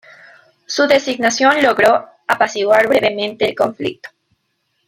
Su designación logró apaciguar brevemente el conflicto.